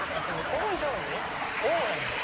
表情にオーラに。